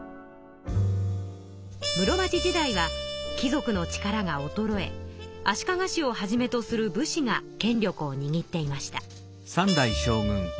室町時代は貴族の力がおとろえ足利氏をはじめとする武士が権力をにぎっていました。